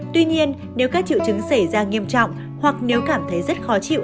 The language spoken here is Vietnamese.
tuy nhiên nếu các triệu chứng xảy ra nghiêm trọng hoặc nếu cảm thấy rất khó chịu